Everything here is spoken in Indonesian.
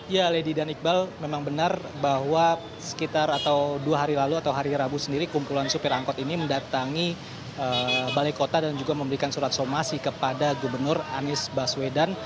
ya lady dan iqbal memang benar bahwa sekitar atau dua hari lalu atau hari rabu sendiri kumpulan supir angkot ini mendatangi balai kota dan juga memberikan surat somasi kepada gubernur anies baswedan